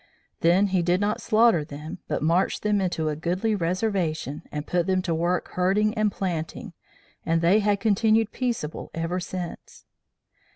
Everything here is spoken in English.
Then he did not slaughter them, but marched them to a goodly reservation, and put them to work herding and planting, and they had continued peaceable ever since.